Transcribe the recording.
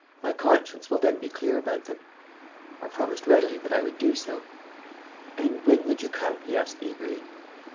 My conscience will then be clear about them.' I promised readily that I would do so. 'And when would you come?' he asked eagerly.